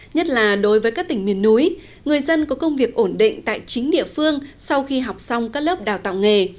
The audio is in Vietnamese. nhất là đối với các tỉnh miền núi người dân có công việc ổn định tại chính địa phương sau khi học xong các lớp đào tạo nghề